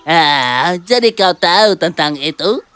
ah jadi kau tahu tentang itu